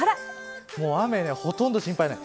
雨、ほとんど心配ない。